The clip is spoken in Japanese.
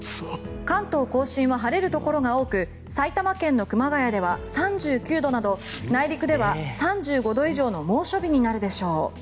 関東・甲信は晴れるところが多く埼玉県の熊谷では３９度など内陸では３５度以上の猛暑日になるでしょう。